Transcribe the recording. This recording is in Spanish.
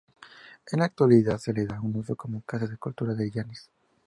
En la actualidad se le da uso como Casa de la Cultura de Llanes.